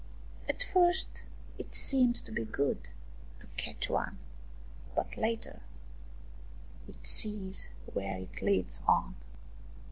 " At first it seems to be good, to catch one, but later one sees where it leads one."